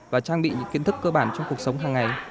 và trang bị những kiến thức cơ bản trong cuộc sống hàng ngày